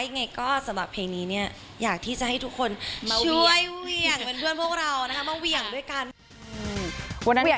ยังไงก็สำหรับเพลงนี้เนี่ยอยากที่จะให้ทุกคนช่วยเหวี่ยงเป็นเพื่อนพวกเรานะคะมาเหวี่ยงด้วยกัน